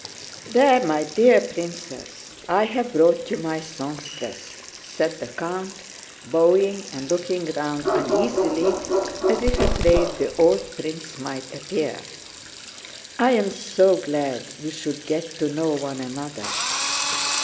"There, my dear princess, I've brought you my songstress," said the count, bowing and looking round uneasily as if afraid the old prince might appear. "I am so glad you should get to know one another...